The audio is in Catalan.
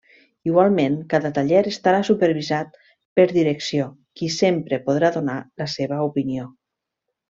Igualment, cada taller estarà supervisat per direcció qui sempre podrà donar la seva opinió.